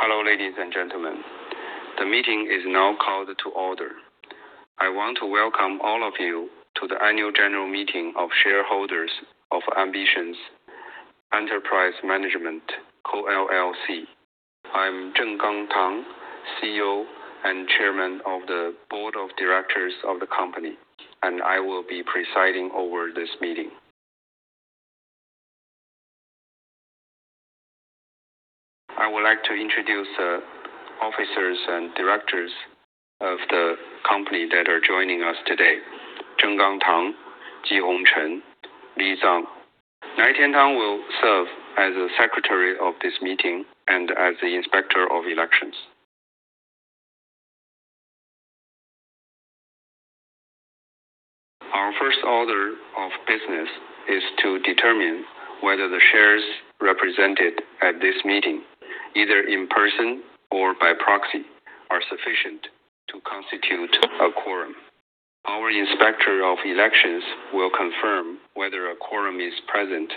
Hello, ladies and gentlemen. The meeting is now called to order. I want to welcome all of you to the Annual General Meeting of Shareholders of Ambitions Enterprise Managment Co. L.L.C. I'm Zhengang Tang, CEO and Chairman of the Board of Directors of the company, and I will be presiding over this meeting. I would like to introduce the officers and directors of the company that are joining us today. Zhengang Tang, Jihong Chen, Li Zhang. Nai Tian Tang will serve as the Secretary of this meeting and as the Inspector of Elections. Our first order of business is to determine whether the shares represented at this meeting, either in person or by proxy, are sufficient to constitute a quorum. Our Inspector of Elections will confirm whether a quorum is present.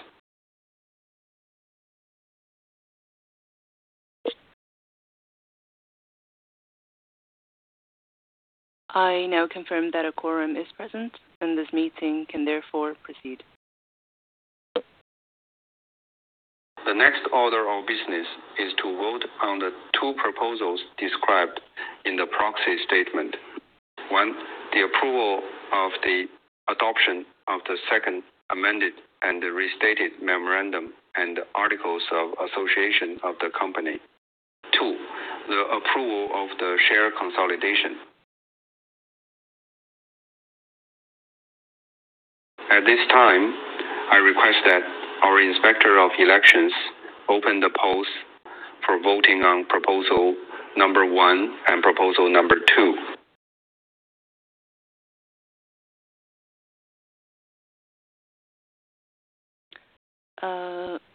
I now confirm that a quorum is present, and this meeting can therefore proceed. The next order of business is to vote on the two proposals described in the proxy statement. One, the approval of the adoption of the Second Amended and Restated Memorandum and Articles of Association of the company. Two, the approval of the share consolidation. At this time, I request that our inspector of elections open the polls for voting on proposal number 1 and proposal number 2.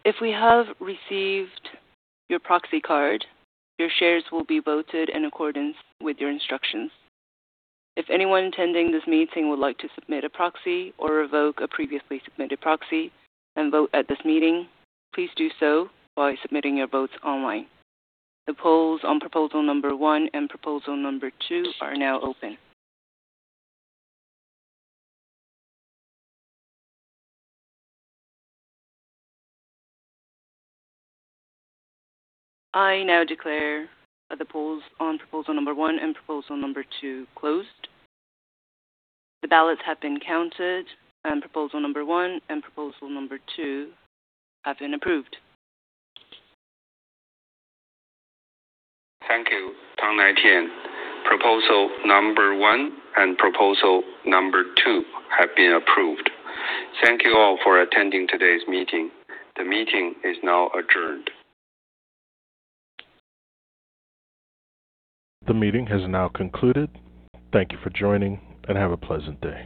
If we have received your proxy card, your shares will be voted in accordance with your instructions. If anyone attending this meeting would like to submit a proxy or revoke a previously submitted proxy and vote at this meeting, please do so by submitting your votes online. The polls on proposal number 1 and proposal number 2 are now open. I now declare the polls on proposal number 1 and proposal number 2 closed. The ballots have been counted, and proposal number 1 and proposal number 2 have been approved. Thank you, Tang Nai Tian. Proposal number 1 and proposal number 2 have been approved. Thank you all for attending today's meeting. The meeting is now adjourned. The meeting has now concluded. Thank you for joining, and have a pleasant day.